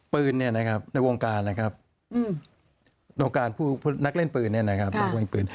ปืนในวงการนะครับนักเล่นปืน